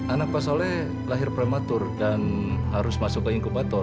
anak pasole lahir prematur dan harus masuk ke inkubator